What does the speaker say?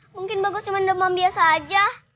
mungkin bagus cuma demam biasa aja